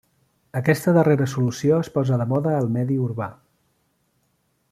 Aquesta darrera solució es posa de moda al medi urbà.